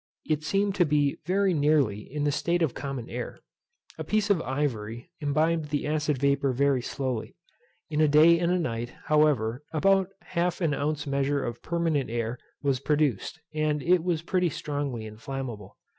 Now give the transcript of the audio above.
It seemed to be very nearly in the state of common air. A piece of ivory imbibed the acid vapour very slowly. In a day and a night, however, about half an ounce measure of permanent air was produced, and it was pretty strongly inflammable.